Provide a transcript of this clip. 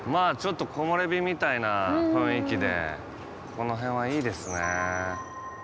この辺はいいですね。